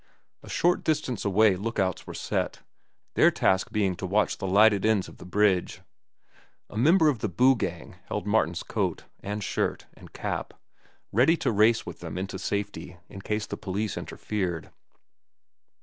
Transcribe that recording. A short distance away lookouts were set, their task being to watch the lighted ends of the bridge. A member of the Boo Gang held Martin's coat, and shirt, and cap, ready to race with them into safety in case the police interfered.